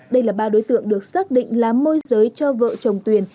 đây là ba đối tượng được xác định làm môi giới cho vợ chồng tuyển